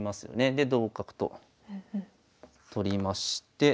で同角と取りまして。